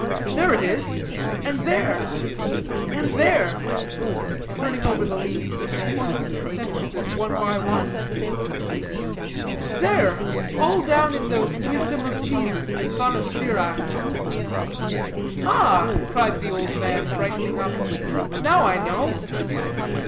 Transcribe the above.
"There it is; and there and there" turning over the leaves, and pointing to the sentences one by one; "there all down in the 'Wisdom of Jesus, the Son of Sirach.'" "Ah!" cried the old man, brightening up, "now I know.